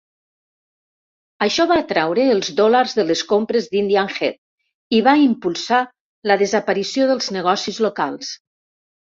Això va atraure els dòlars de les compres d'Indian Head i va impulsar la desaparició dels negocis locals.